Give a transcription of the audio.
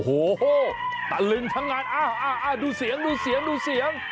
โอ้โหตะลึงทั้งงานอ้าวดูเสียงดูเสียงดูเสียง